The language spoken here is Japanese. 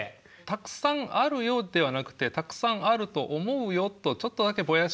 「たくさんあるよ」ではなくて「たくさんあると思うよ」とちょっとだけぼやかして推測してる部分が